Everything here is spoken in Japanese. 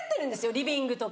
リビングとか。